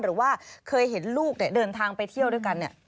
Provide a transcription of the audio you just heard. หรือว่าเคยเห็นลูกเดินทางไปเที่ยวด้วยกันเนี่ย